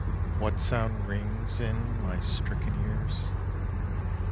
What sound rings in my stricken ears?